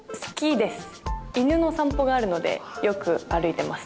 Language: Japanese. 犬の散歩があるのでよく歩いています。